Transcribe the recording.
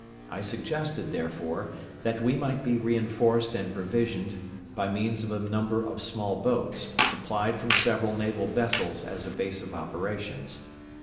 I suggested, therefore, that we might be re enforced and provisioned by means of a number of small boats, supplied from several naval vessels as a base of operations.